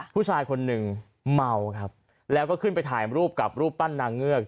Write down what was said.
ผู้ชายคนหนึ่งเมาครับแล้วก็ขึ้นไปถ่ายรูปกับรูปปั้นนางเงือก